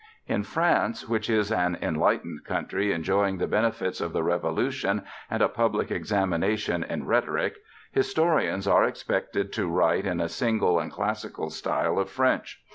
In France, which is an enlightened country enjoying the benefits of the Revolution and a public examination in rhetoric, historians are expected to write in a single and classical style of French.